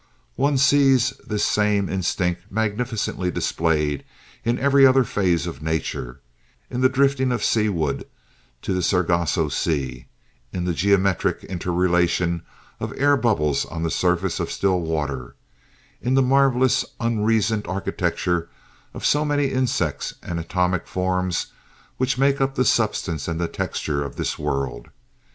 One sees this same instinct magnificently displayed in every other phase of nature—in the drifting of sea wood to the Sargasso Sea, in the geometric interrelation of air bubbles on the surface of still water, in the marvelous unreasoned architecture of so many insects and atomic forms which make up the substance and the texture of this world.